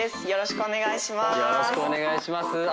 よろしくお願いします